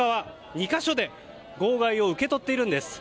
２か所で号外を受け取っているんです。